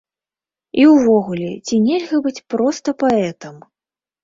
І ўвогуле, ці нельга быць проста паэтам?